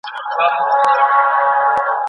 سټینفورډ پوهنتون بل نظر وړاندې کړ.